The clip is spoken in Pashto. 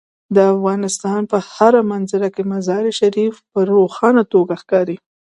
د افغانستان په هره منظره کې مزارشریف په روښانه توګه ښکاري.